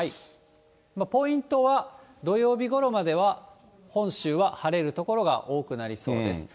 ポイントは、土曜日ごろまでは、本州は晴れる所が多くなりそうです。